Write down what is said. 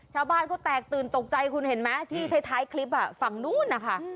ชาวบ้านเขาแตกตื่นตกใจคุณเห็นไหมที่ท้ายคลิปฝั่งนู้นนะคะ